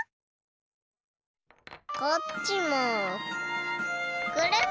こっちもくるん。